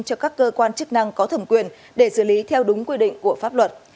cho các cơ quan chức năng có thẩm quyền để xử lý theo đúng quy định của pháp luật